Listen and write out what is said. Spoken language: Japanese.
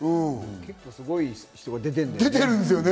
結構すごい人が出てるんですね。